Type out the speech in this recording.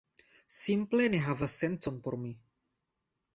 Simple ne havas sencon por mi